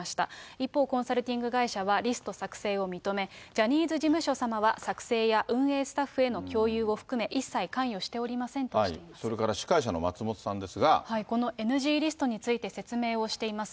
一方、コンサルティング会社は、リスト作成を認め、ジャニーズ事務所様は、作成や運営スタッフへの共有を含め一切関与しておりまそれから司会者の松本さんでこのＮＧリストについて説明をしています。